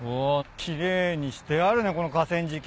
奇麗にしてあるねこの河川敷。